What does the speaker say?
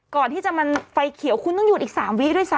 ก่อนที่จะมันไฟเขียวคุณต้องหยุดอีก๓วิด้วยซ้